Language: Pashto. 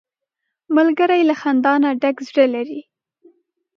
ملګری له خندا نه ډک زړه لري